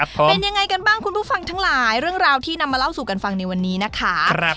เป็นยังไงกันบ้างคุณผู้ฟังทั้งหลายเรื่องราวที่นำมาเล่าสู่กันฟังในวันนี้นะคะ